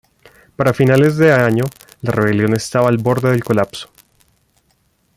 Para finales de año, la rebelión estaba al borde del colapso.